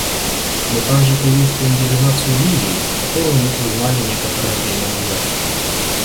Мы также приветствуем делегацию Ливии, которую мы признали некоторое время назад.